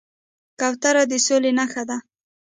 کوتره د سولې نښه ده